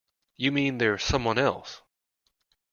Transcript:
You mean there's someone else?